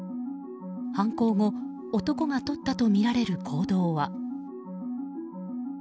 犯行後男がとったとみられる行動は。